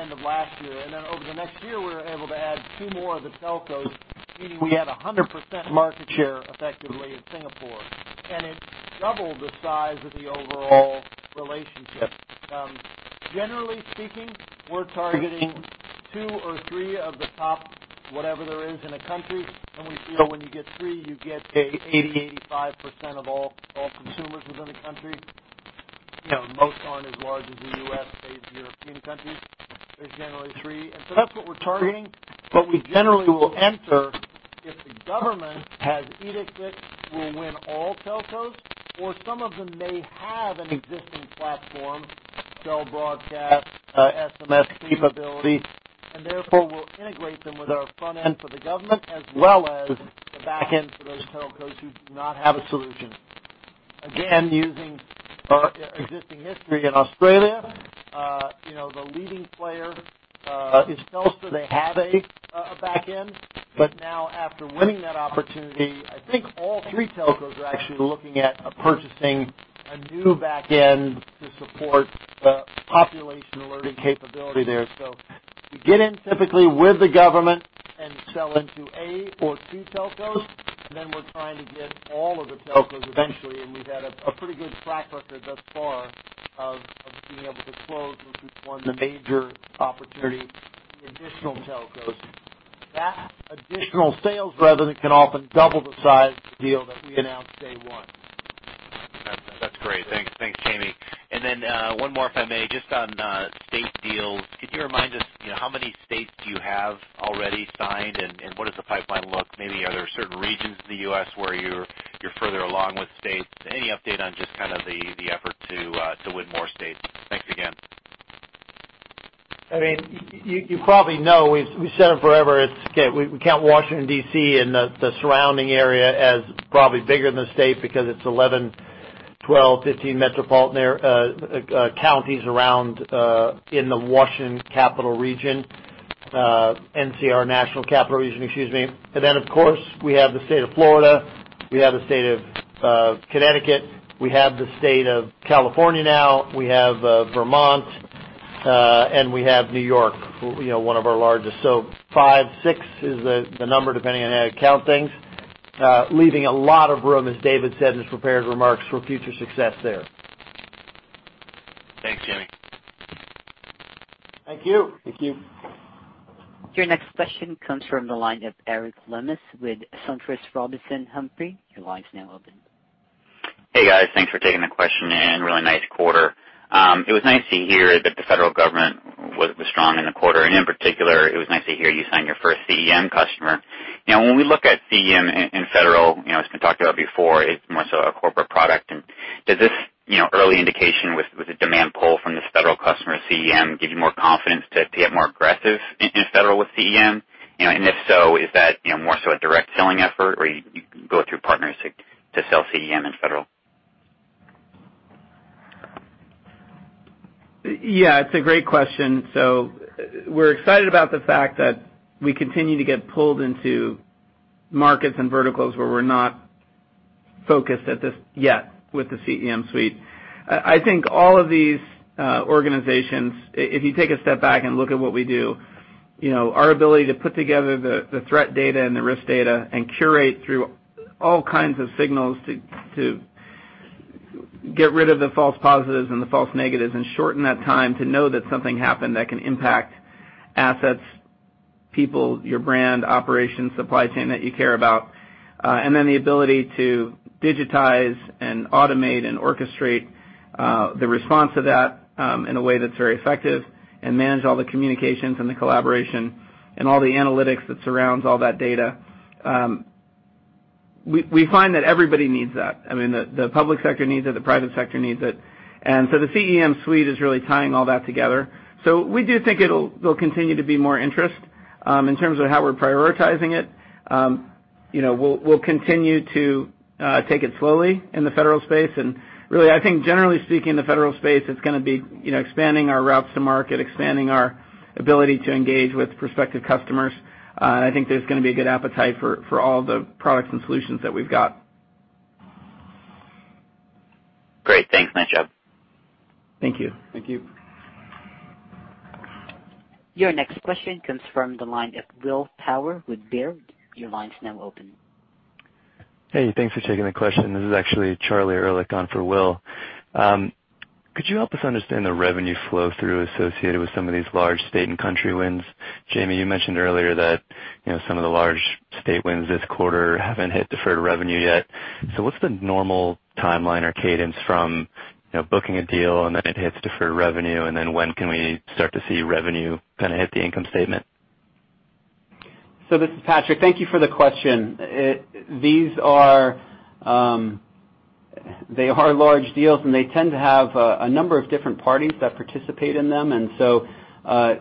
end of last year. Then over the next year, we were able to add two more of the telcos, meaning we had 100% market share effectively in Singapore. It doubled the size of the overall relationship. Generally speaking, we're targeting two or three of the top, whatever there is in a country. We feel when you get three, you get 80%-85% of all consumers within the country. Most aren't as large as the U.S., European countries. There's generally three. That's what we're targeting. We generally will enter if the government has edicts that we'll win all telcos, or some of them may have an existing platform, cell broadcast, SMS capability, and therefore we'll integrate them with our front end for the government as well as the back end for those telcos who do not have a solution. Again, using our existing history in Australia, the leading player is Telstra. They have a back end, but now after winning that opportunity, I think all three telcos are actually looking at purchasing a new back end to support the Population Alerting capability there. We get in typically with the government and sell into A or C telcos, and then we're trying to get all of the telcos eventually, and we've had a pretty good track record thus far of being able to close, once we've won the major opportunity, the additional telcos. That additional sales revenue can often double the size of the deal that we announced day one.
That's great. Thanks, Jaime. Then, one more, if I may, just on state deals. Could you remind us how many states do you have already signed and what does the pipeline look? Maybe are there certain regions in the U.S. where you're further along with states? Any update on just kind of the effort to win more states? Thanks again.
You probably know, we've said it forever, we count Washington, D.C., and the surrounding area as probably bigger than a state because it's 11, 12, 15 metropolitan counties around in the Washington capital region, NCR, National Capital Region, excuse me. Of course, we have the state of Florida, we have the state of Connecticut, we have the state of California now, we have Vermont, and we have New York, one of our largest. Five, six is the number, depending on how you count things, leaving a lot of room, as David said in his prepared remarks, for future success there.
Thanks, Jaime.
Thank you.
Thank you.
Your next question comes from the line of Eric Lemus with SunTrust Robinson Humphrey. Your line is now open.
Hey, guys. Thanks for taking the question, and really nice quarter. It was nice to hear that the federal government was strong in the quarter, and in particular, it was nice to hear you sign your first CEM customer. When we look at CEM in federal, it's been talked about before, it's more so a corporate product. Does this early indication with the demand pull from this federal customer CEM give you more confidence to get more aggressive in federal with CEM? If so, is that more so a direct selling effort or you go through partners to sell CEM in federal?
It's a great question. We're excited about the fact that we continue to get pulled into markets and verticals where we're not focused at this yet with the CEM suite. I think all of these organizations, if you take a step back and look at what we do, our ability to put together the threat data and the risk data and curate through all kinds of signals to get rid of the false positives and the false negatives and shorten that time to know that something happened that can impact assets, people, your brand, operations, supply chain that you care about. Then the ability to digitize and automate and orchestrate the response to that in a way that's very effective and manage all the communications and the collaboration and all the analytics that surrounds all that data. We find that everybody needs that.
The public sector needs it, the private sector needs it. The CEM suite is really tying all that together. We do think there'll continue to be more interest. In terms of how we're prioritizing it, we'll continue to take it slowly in the federal space. Really, I think generally speaking, the federal space, it's going to be expanding our routes to market, expanding our ability to engage with prospective customers. I think there's going to be a good appetite for all the products and solutions that we've got.
Great. Thanks. Thanks, Patrick.
Thank you.
Thank you.
Your next question comes from the line of Will Power with Baird. Your line's now open.
Hey, thanks for taking the question. This is actually Charlie Erlik on for Will. Could you help us understand the revenue flow through associated with some of these large state and country wins? Jaime, you mentioned earlier that some of the large state wins this quarter haven't hit deferred revenue yet. What's the normal timeline or cadence from booking a deal, and then it hits deferred revenue, and then when can we start to see revenue hit the income statement?
This is Patrick. Thank you for the question. They are large deals, and they tend to have a number of different parties that participate in them. The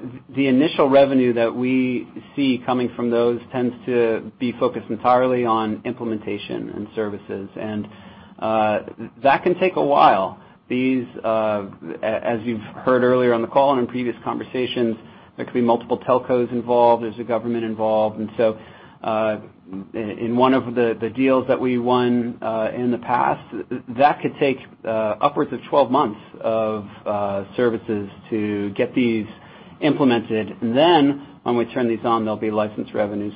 initial revenue that we see coming from those tends to be focused entirely on implementation and services. That can take a while. As you've heard earlier on the call and in previous conversations, there could be multiple telcos involved, there's a government involved. In one of the deals that we won in the past, that could take upwards of 12 months of services to get these implemented. When we turn these on, there'll be license revenue.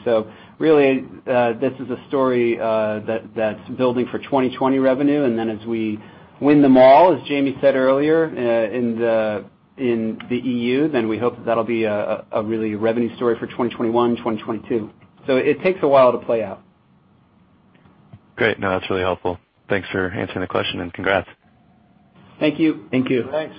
Really, this is a story that's building for 2020 revenue. As we win them all, as Jamie said earlier, in the EU, then we hope that'll be a really revenue story for 2021, 2022. It takes a while to play out.
Great. No, that's really helpful. Thanks for answering the question, and congrats.
Thank you.
Thank you.
Thanks.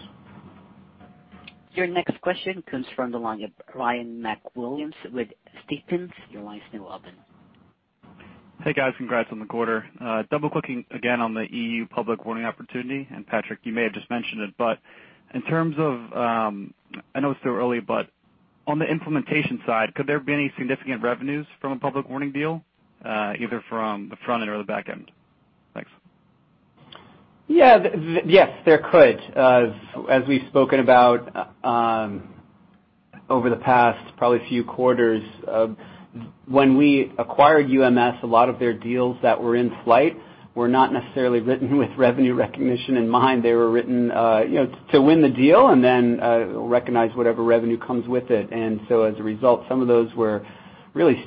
Your next question comes from the line of Ryan MacWilliams with Stephens. Your line's now open.
Hey, guys. Congrats on the quarter. Double-clicking again on the EU public warning opportunity, and Patrick, you may have just mentioned it, but in terms of, I know it's still early, but on the implementation side, could there be any significant revenues from a public warning deal, either from the front or the back end? Thanks.
Yes, there could. As we've spoken about over the past probably few quarters, when we acquired UMS, a lot of their deals that were in flight were not necessarily written with revenue recognition in mind. They were written to win the deal and then recognize whatever revenue comes with it. As a result, some of those were really,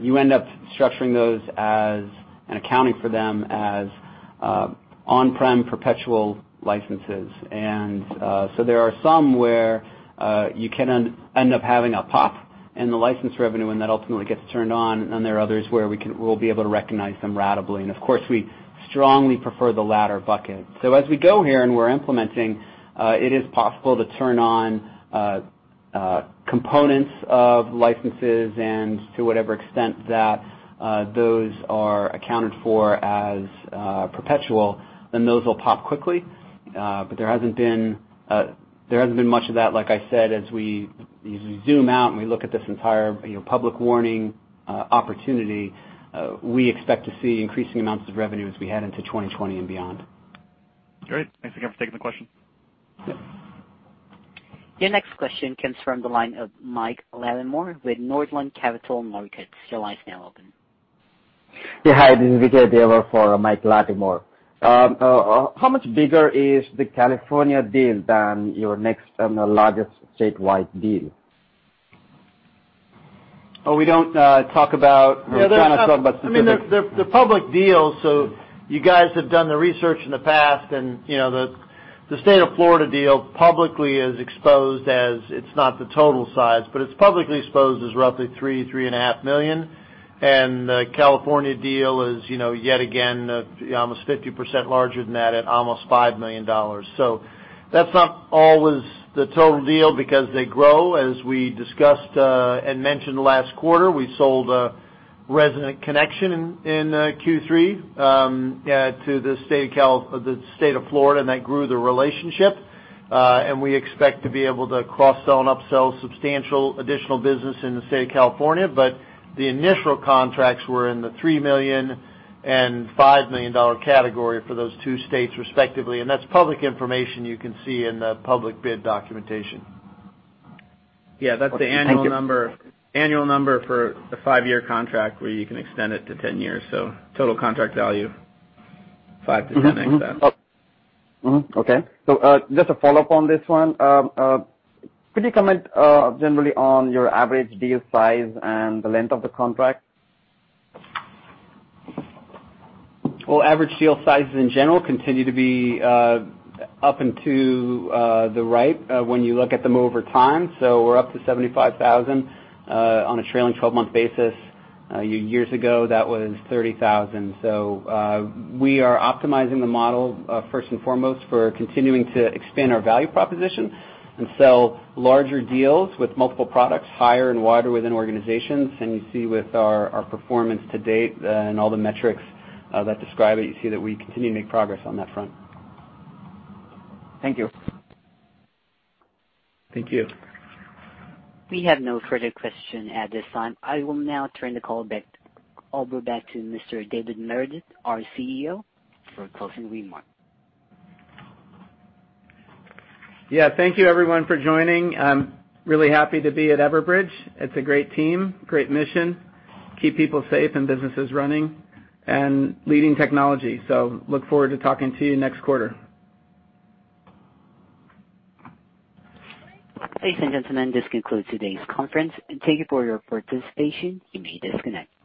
you end up structuring those as, and accounting for them as on-prem perpetual licenses. There are some where you can end up having a pop in the license revenue, and that ultimately gets turned on. There are others where we'll be able to recognize them ratably. Of course, we strongly prefer the latter bucket. as we go here and we're implementing, it is possible to turn on components of licenses and to whatever extent that those are accounted for as perpetual, then those will pop quickly. there hasn't been much of that, like I said, as we zoom out and we look at this entire public warning opportunity, we expect to see increasing amounts of revenue as we head into 2020 and beyond.
Great. Thanks again for taking the question.
Your next question comes from the line of Michael Latimore with Northland Capital Markets. Your line's now open.
Yeah. Hi, this is VK Deborah for Michael Latimore. How much bigger is the California deal than your next largest statewide deal?
Oh, we don't talk about.
Yeah, they're
We're trying to talk about specifics.
They're public deals, so you guys have done the research in the past, and the state of Florida deal publicly is exposed as, it's not the total size, but it's publicly exposed as roughly three and a half million. the California deal is, yet again, almost 50% larger than that at almost $5 million. that's not always the total deal because they grow. As we discussed and mentioned last quarter, we sold a Resident Connection in Q3 to the state of Florida, and that grew the relationship. we expect to be able to cross-sell and up-sell substantial additional business in the state of California. the initial contracts were in the $3 million and $5 million category for those two states, respectively. that's public information you can see in the public bid documentation. Yeah, that's the annual number-
Thank you
annual number for a five-year contract where you can extend it to 10 years. total contract value, five to 10x that.
Mm-hmm. Okay. Just a follow-up on this one. Could you comment generally on your average deal size and the length of the contract?
Well, average deal sizes in general continue to be up and to the right when you look at them over time. We're up to 75,000 on a trailing 12-month basis. Years ago, that was 30,000. We are optimizing the model, first and foremost, for continuing to expand our value proposition and sell larger deals with multiple products higher and wider within organizations. You see with our performance to date and all the metrics that describe it, you see that we continue to make progress on that front.
Thank you.
Thank you.
We have no further question at this time. I will now turn the call back over to Mr. David Meredith, our CEO, for closing remarks.
Yeah. Thank you everyone for joining. I'm really happy to be at Everbridge. It's a great team, great mission, keep people safe and businesses running, and leading technology. Look forward to talking to you next quarter.
Ladies and gentlemen, this concludes today's conference. Thank you for your participation. You may disconnect.